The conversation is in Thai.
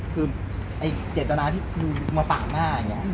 คือเจตนาที่มาฝากหน้า